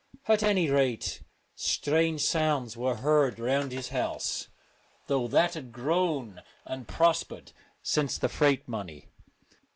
At any rate, strange sounds were heard round his house, though that had grown and prospered since the freight money.